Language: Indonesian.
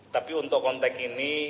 tapi untuk konteks ini